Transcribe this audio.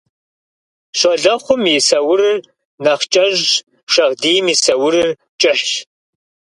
Щолэхъум и саурыр нэхъ кӀэщӀщ, шагъдийм и саурыр кӀыхьщ.